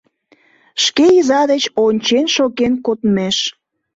Шке иза деч ончен шоген кодмеш